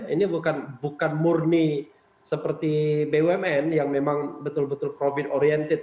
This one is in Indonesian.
ini bukan murni seperti bumn yang memang betul betul profit oriented